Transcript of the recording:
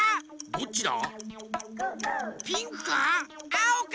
どっちだ？